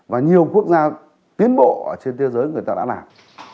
và nhiều quốc gia tiến bộ trên thế giới người ta đã làm